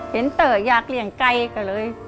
เห็นเต๋ออยากเลี้ยงไก่ก็เลย